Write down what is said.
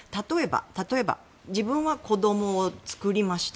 例えば自分は子供を作りました。